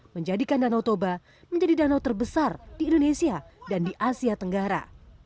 menjadikan danau toba menjadi danau terbesar di indonesia dan di asia tenggara